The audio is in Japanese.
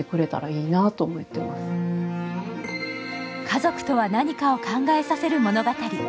家族とは何かを考えさせる物語。